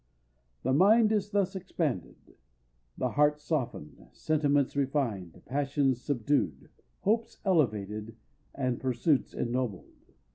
The mind is thus expanded, the heart softened, sentiments refined, passions subdued, hopes elevated, and pursuits ennobled.